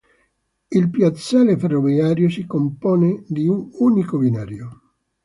Il piazzale ferroviario si compone di un unico binario.